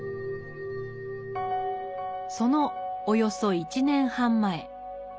そのおよそ１年半前。